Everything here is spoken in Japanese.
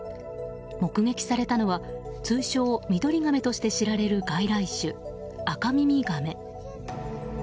目撃されたのは通称ミドリガメとして知られる外来種アカミミガメ。